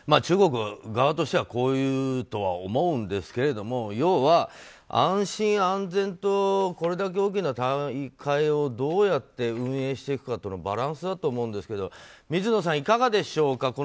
中国側としてはこう言うと思うんですが要は安心・安全とこれだけ大きな大会をどうやって運営していくかとのバランスだと思うんですけど水野さん、いかがでしょうか